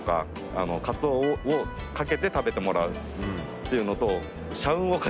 っていうのと。